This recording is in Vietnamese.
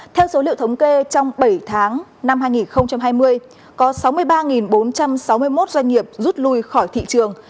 theo số liệu thống kê trong bảy tháng năm hai nghìn hai mươi có sáu mươi ba bốn trăm sáu mươi một doanh nghiệp rút lui khỏi thị trường